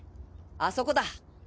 あそこだ！